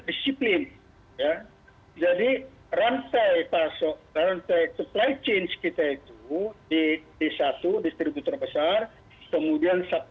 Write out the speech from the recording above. disiplin ya jadi rantai pasok rantai supply chain kita itu di satu distribusi terbesar kemudian